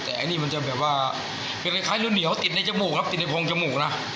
แต่อันนี้มันจะแบบว่าเป็นคล้ายเหนียวติดในจมูกครับติดในโพงจมูกนะ